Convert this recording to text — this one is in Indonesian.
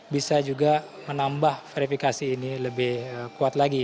bisa juga menambah verifikasi ini lebih kuat lagi